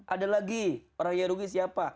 ada lagi orang yang rugi siapa